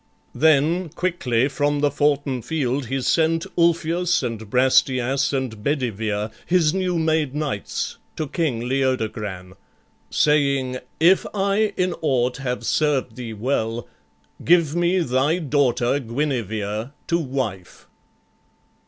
Then quickly from the foughten field he sent Ulfius, and Brastias, and Bedivere, His new made knights, to King Leodogran, Saying, "If I in aught have served thee well, Give me thy daughter Guinevere to wife."